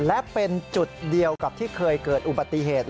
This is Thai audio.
และเป็นจุดเดียวกับที่เคยเกิดอุบัติเหตุ